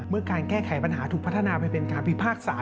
การแก้ไขปัญหาถูกพัฒนาไปเป็นการพิพากษา